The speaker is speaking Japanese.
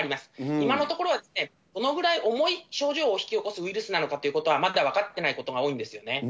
今のところは、どのくらい重い症状を引き起こすウイルスなのかということはまだ分かってないことが多いんですよね。